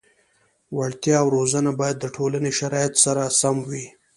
وړتیا او روزنه باید د ټولنې شرایطو سره سم وي.